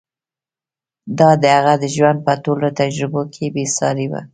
دا د هغه د ژوند په ټولو تجربو کې بې سارې وه.